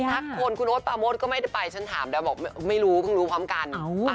ทักคนคุณโอ๊ตปาโมทก็ไม่ได้ไปฉันถามแล้วบอกไม่รู้เพิ่งรู้พร้อมกัน